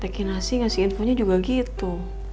teh kinasi ngasih infonya juga gitu